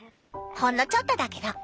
ほんのちょっとだけど。